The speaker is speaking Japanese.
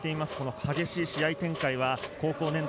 激しい試合展開は高校年代